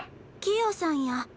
キヨさんや。